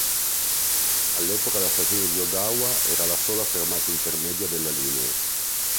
All'epoca la stazione di Ogawa era la sola fermata intermedia della linea.